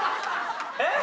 えっ？